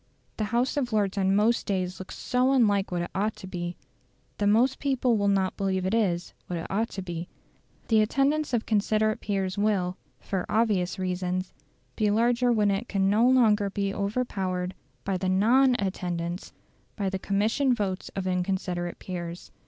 The House of Lords on most days looks so unlike what it ought to be, that most people will not believe it is what it ought to be. The attendance of considerate peers will, for obvious reasons, be larger when it can no longer be overpowered by the NON attendance, by the commissioned votes of inconsiderate peers.